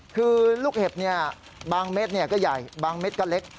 คือลูกเห็บบางเม็ดก็ใหญ่บางเม็ดก็เล็ก